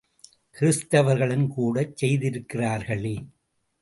கிறிஸ்துவர்களும் கூடச் செய்திருக்கிறார்களே!